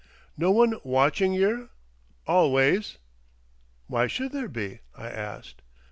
"No one watching yer—always." "Why should there be?" I asked.